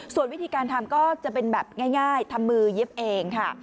ส่วนวิธีการทำก็จะเป็นแบบง่ายทำมือเย็บเองค่ะ